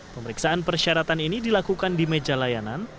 pemeriksaan persyaratan ini dilakukan di meja layanan